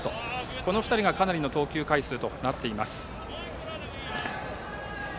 この２人がかなりの投球回数となっています。